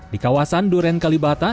di kawasan duren kalibata